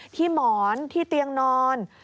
หมอนที่เตียงนอน